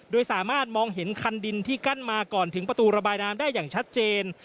โดยสามารถมองเห็นคันดินที่กั้นมาก่อนถึงประตูระบายน้ำได้อย่างชัดเจน